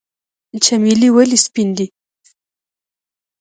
چمیلی ولې سپین دی؟